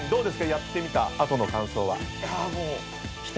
やってみた後の感想は。